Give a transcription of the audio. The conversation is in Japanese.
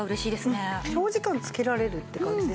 長時間つけられるって感じですよね。